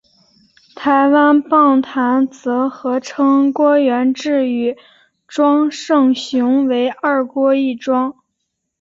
台湾棒坛则合称郭源治与庄胜雄为二郭一庄。